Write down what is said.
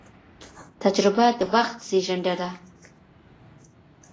تجربه د وخت زېږنده ده.